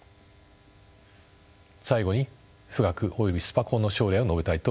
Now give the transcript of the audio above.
最後に富岳およびスパコンの将来を述べたいと思います。